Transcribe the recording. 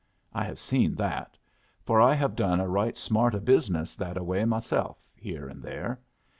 I have seen that; for I have done a right smart o' business that a way myself, here and there.